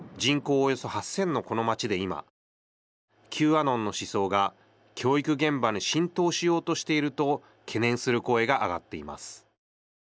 およそ８０００のこの町で今Ｑアノンの思想が教育現場に浸透しようとしていると懸念する声が上がっています。